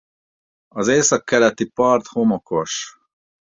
Az északkeleti part homokos.